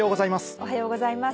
おはようございます。